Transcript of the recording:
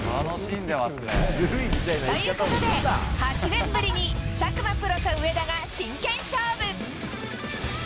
ということで、８年ぶりに佐久間プロと上田が真剣勝負。